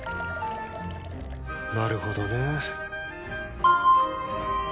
なるほどね。